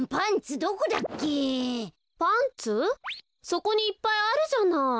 そこにいっぱいあるじゃない。